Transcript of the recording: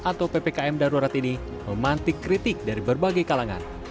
atau ppkm darurat ini memantik kritik dari berbagai kalangan